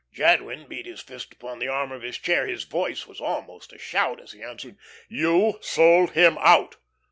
Jadwin beat his fist upon the arm of his chair. His voice was almost a shout as he answered: "_You sold him out.